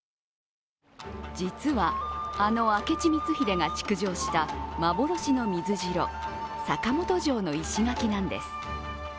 実は、あの明智光秀が築城した幻の水城坂本城の石垣なんです。